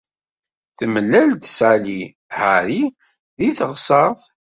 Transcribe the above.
Temlal-d Sally Harry deg teɣsert.